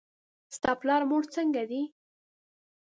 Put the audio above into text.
ستا پلار او مور څنګه دي؟